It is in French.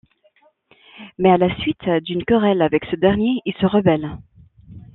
Mais à la suite d'une querelle avec ce dernier, il se rebelle.